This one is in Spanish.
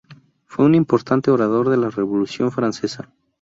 Fue un importante orador de la Revolución francesa.